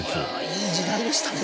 いい時代でしたね